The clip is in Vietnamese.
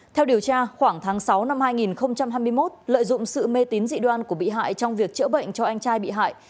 theo điều tra khoảng tháng sáu năm hai nghìn hai mươi một lợi dụng sự mê tín dị đoan của bị hại trong việc chữa bệnh cho anh trai bị hại